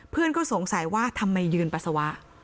เพื่อนก็สงสัยว่าทำไมยืนปัสสาวะ